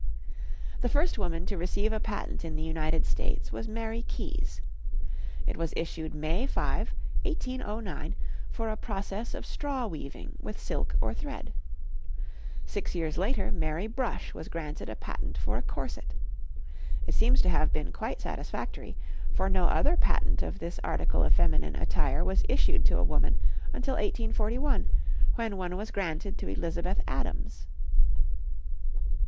The first woman to receive a patent in the United States was Mary Kies. It was issued May 5, 1809, for a process of straw weaving with silk or thread. Six years later Mary Brush was granted a patent for a corset. It seems to have been quite satisfactory, for no other patent for this article of feminine attire was issued to a woman until 1841, when one was granted to Elizabeth Adams.